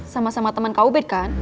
sama sama temen kau bet kan